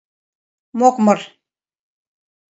Мокмыр.